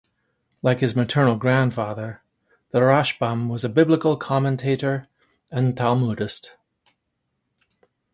Like his maternal grandfather, the Rashbam was a biblical commentator and Talmudist.